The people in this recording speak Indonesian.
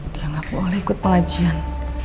dia ngaku boleh ikut pengajian